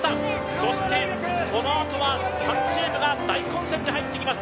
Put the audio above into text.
そしてこのあとは３チームが大混戦で入ってきます